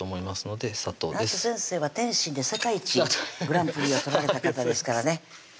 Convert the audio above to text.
だって先生は点心で世界一グランプリを取られた方ですからね